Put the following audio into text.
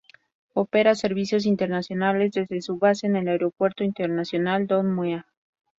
Opera servicios internacionales desde su base en el Aeropuerto Internacional Don Mueang.